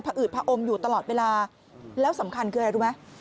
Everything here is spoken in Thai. พออืดผอมอยู่ตลอดเวลาแล้วสำคัญคืออะไรรู้ไหม